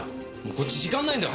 こっち時間ないんだよ。